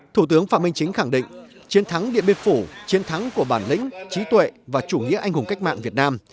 thủ tướng phạm minh chính khẳng định chiến thắng điện biên phủ chiến thắng của bản lĩnh trí tuệ và chủ nghĩa anh hùng cách mạng việt nam